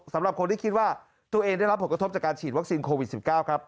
สำหรับคนที่คิดว่าตัวเองได้รับผลกระทบจากการฉีดวัคซีนโควิด๑๙ครับ